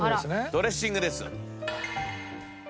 ドレッシングです。